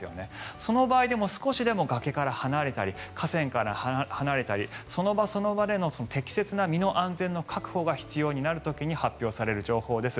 その場合でも少しでも崖から離れたり河川から離れたりその場その場での適切な身の安全の確保が必要になる時に発表される情報です。